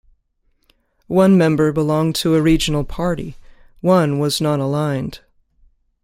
One member belonged to a regional party; one was non-aligned.